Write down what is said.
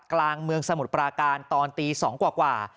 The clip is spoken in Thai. กลางเมืองสมุทรปราการตอนตี๒กว่า